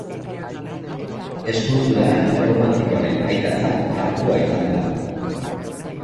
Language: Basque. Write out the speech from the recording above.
Eskultura erromantikoaren aitatzat hartua izan da.